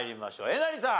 えなりさん。